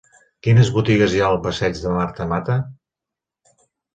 Quines botigues hi ha al passeig de Marta Mata?